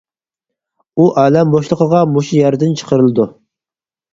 ئۇ ئالەم بوشلۇقىغا مۇشۇ يەردىن چىقىرىلىدۇ.